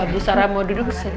bu sarah mau duduk saya teman